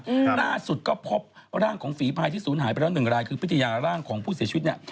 ครับน่าสุดก็พบร่างของฝีภายที่ศูนย์หายไปละ๑รายคือพิทยาร์ร่างของผู้เสียชุดเนี่ย